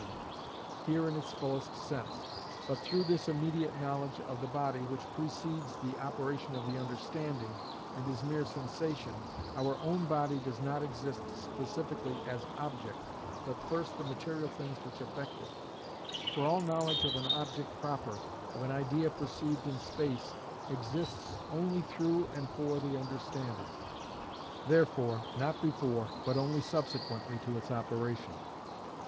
But the conception of object is not to be taken here in its fullest sense, for through this immediate knowledge of the body, which precedes the operation of the understanding, and is mere sensation, our own body does not exist specifically as object, but first the material things which affect it: for all knowledge of an object proper, of an idea perceived in space, exists only through and for the understanding; therefore not before, but only subsequently to its operation.